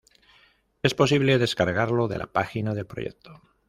Es posible descargarlo de la página del proyecto